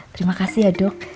terima kasih ya dok